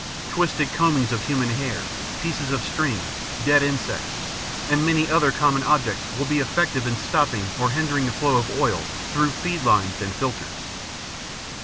Twisted combings of human hair, pieces of string, dead insects, and many other common objects will be effective in stopping or hindering the flow of oil through feed lines and filters.